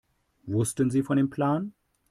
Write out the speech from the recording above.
Woher wussten Sie von dem Plan?